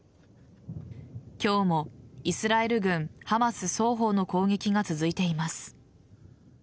今日もイスラエル軍ハマス双方の攻撃が続いています。